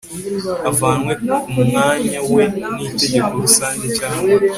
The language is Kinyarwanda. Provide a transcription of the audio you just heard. avanwe ku mwanya we n inteko rusange cyangwa